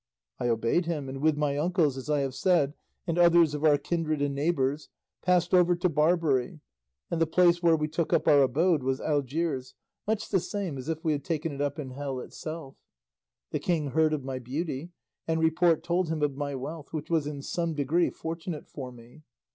I obeyed him, and with my uncles, as I have said, and others of our kindred and neighbours, passed over to Barbary, and the place where we took up our abode was Algiers, much the same as if we had taken it up in hell itself. The king heard of my beauty, and report told him of my wealth, which was in some degree fortunate for me.